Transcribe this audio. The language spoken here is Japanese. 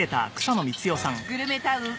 グルメタウン